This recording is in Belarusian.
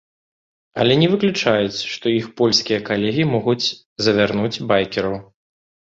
Але не выключаюць, што іх польскія калегі могуць завярнуць байкераў.